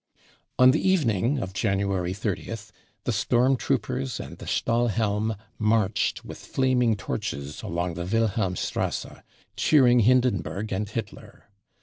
• i On the evening of January 30th the storm troopers and ■ the Stahlhelm marched with flaming torches along the Wilhelmstrasse, cheering Hindenburg and Hitler.